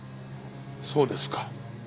そうですか。